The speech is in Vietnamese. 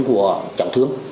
của cháu thước